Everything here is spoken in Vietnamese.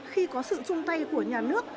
khi có sự chung tay của nhà nước